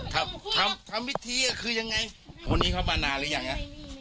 ทำทำพิธีอ่ะคือยังไงคนนี้เข้ามานานหรือยังฮะ